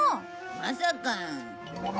まさか。